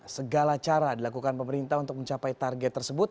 segala cara dilakukan pemerintah untuk mencapai target tersebut